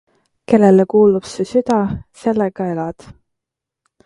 Kellele kuulub su süda, sellega elad.